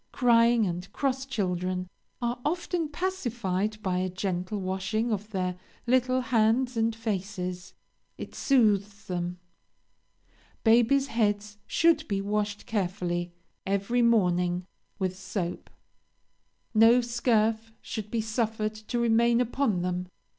Crying and cross children are often pacified by a gentle washing of their little hands and faces it soothes them. Babies' heads should be washed carefully, every morning with soap. No scurf should be suffered to remain upon them.